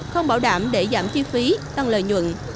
không bảo đảm để giảm chi phí tăng lợi nhuận